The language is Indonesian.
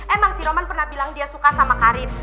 emang si roman pernah bilang dia suka sama karin